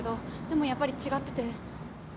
でもやっぱり違ってて。